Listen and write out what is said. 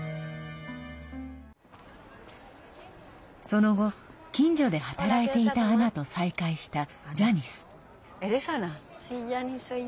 その後、近所で働いていたアナと再会したジャニス。